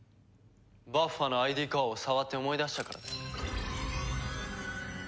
バッファのＩＤコアを触って思い出したからだよ。